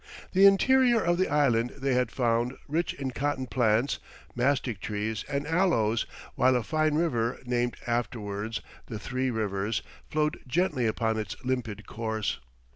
The interior of the island they had found rich in cotton plants, mastic trees and aloes, while a fine river, named afterwards the Three Rivers, flowed gently along its limpid course.